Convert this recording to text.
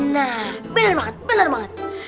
nah bener banget